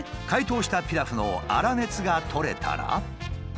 解凍したピラフの粗熱が取れたら。